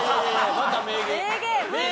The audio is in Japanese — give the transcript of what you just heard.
また名言。